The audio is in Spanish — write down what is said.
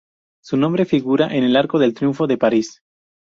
Su nombre figura en el Arco del Triunfo de París.